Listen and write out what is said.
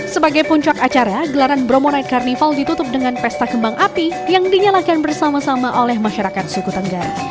sebagai puncak acara gelaran bromo night carnival ditutup dengan pesta kembang api yang dinyalakan bersama sama oleh masyarakat suku tenggara